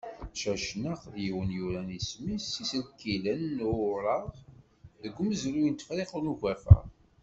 Cacnaq, d yiwen yuran isem-is s yisekkilen n ureɣ deg umezruy n Tefriqt n Ugafa.